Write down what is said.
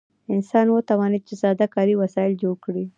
انسان وتوانید چې ساده کاري وسایل جوړ کړي.